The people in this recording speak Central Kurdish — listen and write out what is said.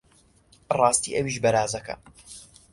ڕاستی ئەویش بەرازەکە!